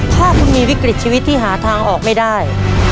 ถ้าคุณมีวิกฤตชีวิตที่หาทางออกไม่ได้